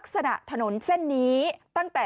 สุดยอดดีแล้วล่ะ